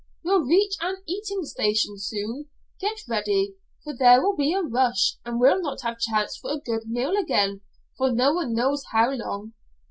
We'll reach an eating station soon. Get ready, for there will be a rush, and we'll not have a chance for a good meal again for no one knows how long.